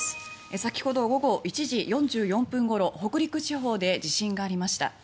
先ほど午後１時４４分ごろ北陸地方で地震がありました。